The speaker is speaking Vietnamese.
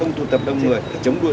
anh cầm bút đi